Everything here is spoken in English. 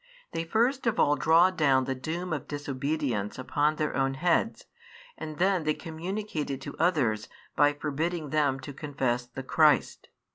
They first of all draw down the doom of disobedience upon their own heads, and then they communicate it to others by forbidding them to confess the Christ.